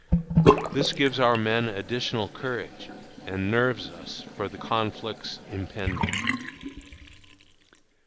This gives our men additional courage, and nerves us for the conflicts impending.